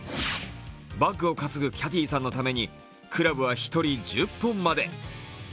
バッグを担ぐキャディーさんのためにクラブは１人１０本まで。